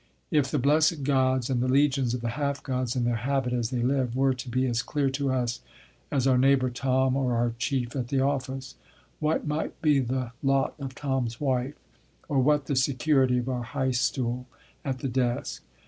If the blessed Gods and the legions of the half gods in their habit as they live, were to be as clear to us as our neighbour Tom or our chief at the office, what might be the lot of Tom's wife, or what the security of our high stool at the desk?